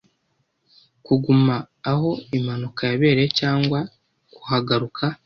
kuguma aho impanuka yabereye cyangwa kuhagaruka